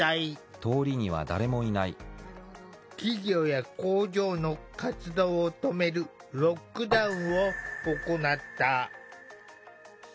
企業や工場の活動を止める「ロックダウン」を行った。